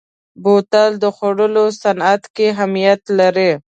بوتل د خوړو صنعت کې اهمیت لري.